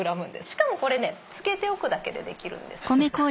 しかもこれつけておくだけでできるんです。